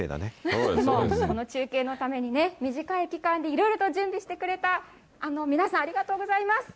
この中継のためにね、短い期間でいろいろと準備してくれた皆さん、ありがとうございます。